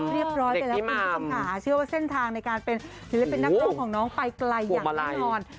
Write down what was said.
เรียบร้อยแต่ละผู้ชมขาเชื่อว่าเส้นทางในการเป็นนักร้องของน้องไปไกลอย่างแม่นอน